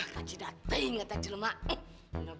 kita masuk sekarang